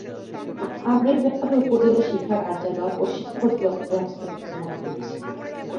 আমরা এ ব্যাপারে উপজেলা শিক্ষা কার্যালয় ও শিক্ষা অধিদপ্তরের হস্তক্ষেপ কামনা করছি।